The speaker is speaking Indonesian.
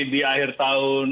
di akhir tahun